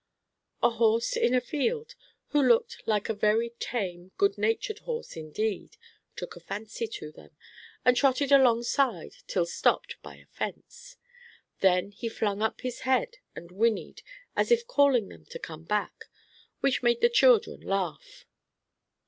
A horse in a field, who looked like a very tame, good natured horse indeed, took a fancy to them, and trotted alongside till stopped by a fence. Then he flung up his head and whinnied, as if calling them to come back, which made the children laugh.